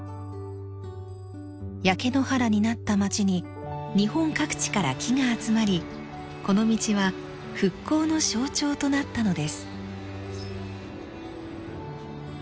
焼け野原になった街に日本各地から木が集まりこの道は復興の象徴となったのです。